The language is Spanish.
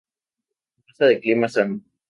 Goza de clima sano.